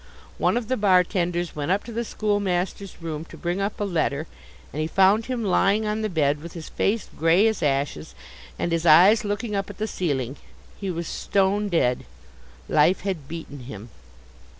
One of the bar tenders went up to the schoolmaster's room to bring up a letter, and he found him lying on the bed with his face grey as ashes, and his eyes looking up at the ceiling. He was stone dead. Life had beaten him.